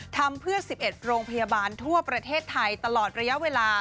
ทำเพื่อ๑๑โรงพยาบาลทั่วประเทศไทยตลอดระยะเวลา